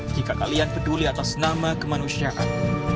jika kalian peduli atas nama kemanusiaan